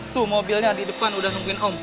tuh mobilnya di depan udah nungguin om